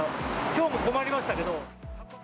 きょうも困りましたけど。